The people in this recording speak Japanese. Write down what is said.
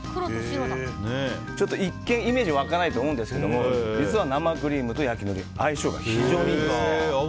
ちょっと一見イメージ湧かないと思うんですが実は生クリームと焼きのり相性が非常にいいんです。